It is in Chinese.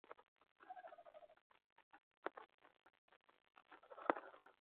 尖吻棘鳞鱼是辐鳍鱼纲金眼鲷目金鳞鱼科棘鳞鱼属的其中一种鱼类。